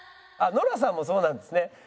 ノラさんそうなんですね？